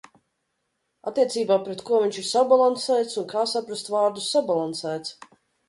"Attiecībā pret ko viņš ir sabalansēts un kā saprast vārdu "sabalansēts"?"